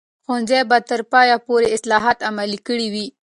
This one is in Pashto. ښوونځي به تر پایه پورې اصلاحات عملي کړي وي.